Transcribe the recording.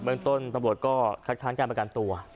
เมืองต้นตำรวจก็คัดค้านการประกันตัว